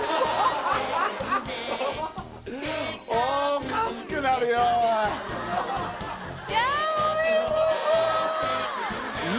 おかしくなるよおい